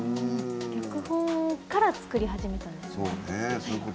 脚本から作り始めたんですね。